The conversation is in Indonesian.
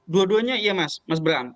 dua duanya iya mas mas bram